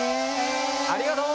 ありがとう！